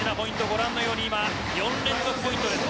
ご覧のように今４連続ポイントです。